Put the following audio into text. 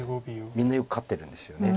みんなよく勝ってるんですよね。